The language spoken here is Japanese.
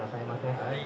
はい。